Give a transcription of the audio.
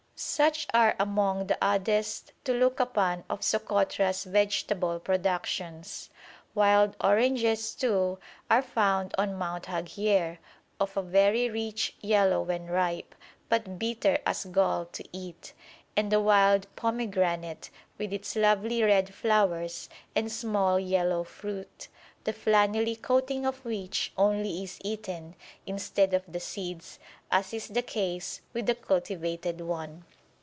Such are among the oddest to look upon of Sokotra's vegetable productions. Wild oranges, too, are found on Mount Haghier, of a very rich yellow when ripe, but bitter as gall to eat; and the wild pomegranate, with its lovely red flowers and small yellow fruit, the flannelly coating of which only is eaten, instead of the seeds, as is the case with the cultivated one.